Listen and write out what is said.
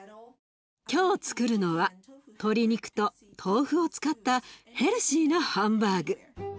今日つくるのは鶏肉と豆腐を使ったヘルシーなハンバーグ。